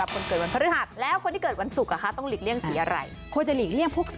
อ่ะพวกนี้ไม่ได้เลย